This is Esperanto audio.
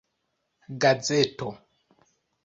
gazeto